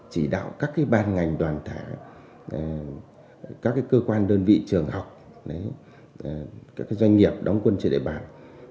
chỉ đạo các bàn ngành đoàn thể các cơ quan đơn vị trường học các doanh nghiệp đóng quân trị đại bản